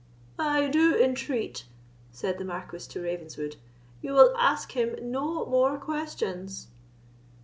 "I do entreat," said the Marquis to Ravenswood, "you will ask him no more questions."